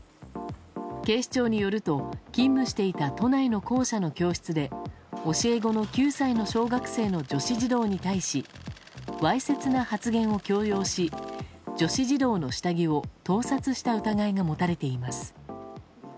警視庁によると勤務していた都内の校舎の教室で教え子の９歳の小学生の女子児童に対しわいせつな発言を強要し女子児童の下着を盗撮した疑いが持たれています。